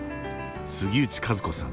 杉内寿子さん